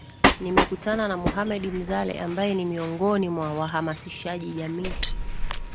Nimekutana na Mohamed Mzale ambaye ni miongoji mwa wahamasishaji jamii